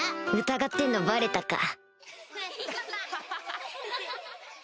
疑ってんのバレたか